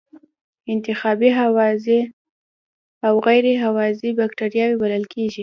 انتحابی هوازی او غیر هوازی بکټریاوې بلل کیږي.